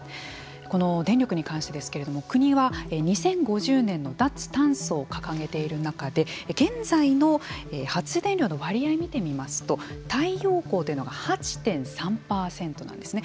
この電力に関してですけれども国は２０５０年の脱炭素を掲げている中で現在の発電量の割合見てみますと太陽光というのが８．３％なんですね。